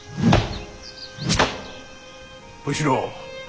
小四郎。